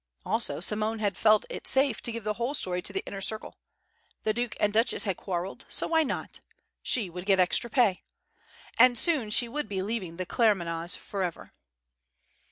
Also, Simone had felt it safe to give the whole story to the Inner Circle. The Duke and Duchess had quarrelled, so why not? She would get extra pay. And soon she would be leaving the Claremanaghs forever.